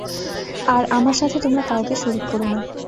আর আমার সাথে তোমরা কাউকে শরীক করো না।